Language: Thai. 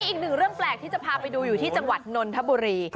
อีกหนึ่งเรื่องแปลกที่จะพาไปดูอยู่ที่จังหวัดนนทบุรี